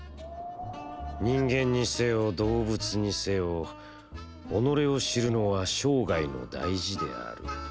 「人間にせよ、動物にせよ、己を知るのは生涯の大事である。